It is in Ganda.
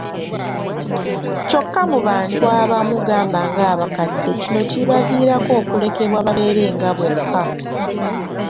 Kyokka mu bantu abamu, gamba ng'abakadde, kino kibaviirako okulekebwa babeerenga bokka